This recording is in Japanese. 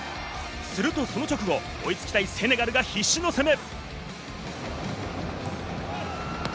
するとその直後、追いつきたいセネガルが必死の攻め。